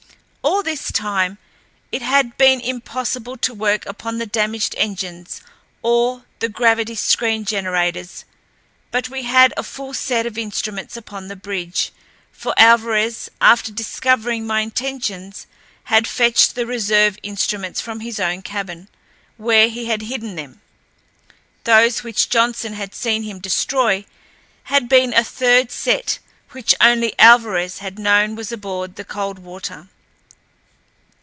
All this time it had been impossible to work upon the damaged engines or the gravity screen generators; but we had a full set of instruments upon the bridge, for Alvarez, after discovering my intentions, had fetched the reserve instruments from his own cabin, where he had hidden them. Those which Johnson had seen him destroy had been a third set which only Alvarez had known was aboard the Coldwater.